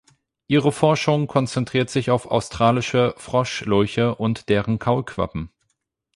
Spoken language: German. Ihre Forschung konzentriert sich auf australische Froschlurche und deren Kaulquappen.